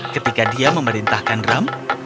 ketika dia memerintahkan drum